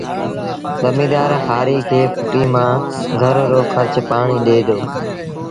زميݩدآر هآريٚ کي ڦُٽيٚ مآݩ گھر رو کرچ پآڻيٚ ڏي دو